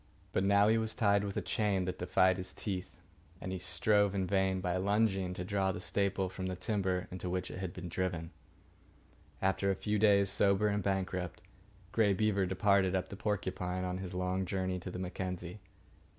But now he was tied with a chain that defied his teeth, and he strove in vain, by lunging, to draw the staple from the timber into which it was driven. After a few days, sober and bankrupt, Grey Beaver departed up the Porcupine on his long journey to the Mackenzie.